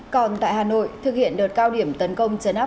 còn tại hà nội thực hiện đợt cao điểm tấn công trên áp quảng